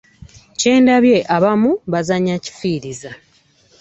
Kye ndabye abamu bazannya kifiiriza.